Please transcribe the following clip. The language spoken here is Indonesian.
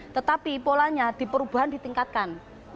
tetapi polanya diperubahan ditingkatkan